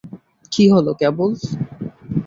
কী হলো কেবল?